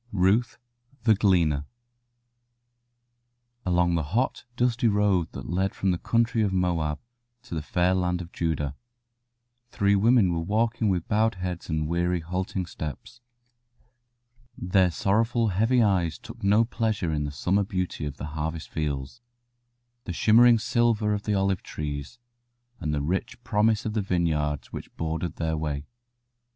RUTH, THE GLEANER Along the hot, dusty road that led from the country of Moab to the fair land of Judah three women were walking with bowed heads and weary, halting steps. Their sorrowful, heavy eyes took no pleasure in the summer beauty of the harvest fields, the shimmering silver of the olive trees, and the rich promise of the vineyards which bordered their way.